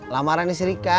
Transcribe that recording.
lamaran si rika